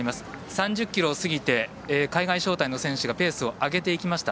３０ｋｍを過ぎて海外招待の選手がペースを上げていきました。